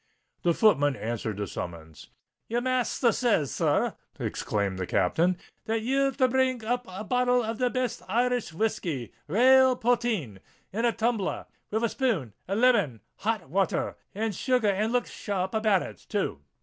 The footman answered the summons. "Your masther says, sirrah," exclaimed the Captain, "that ye're to bring up a bottle of the best Irish whiskey—rale potheen—with a tumbler, a spoon, a lemon, hot water, and sugar and look shar rp about it, too!"